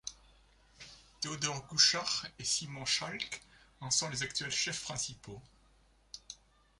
Theodore Kuchar et Simon Chalk en sont les actuels chefs principaux.